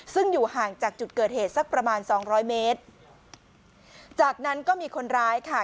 ซึ่งอยู่ห่างจากจุดเกิดเหตุสักประมาณสองร้อยเมตรจากนั้นก็มีคนร้ายค่ะ